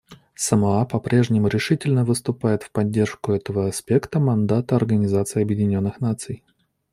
Самоа по-прежнему решительно выступает в поддержку этого аспекта мандата Организации Объединенных Наций.